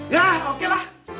ya oke lah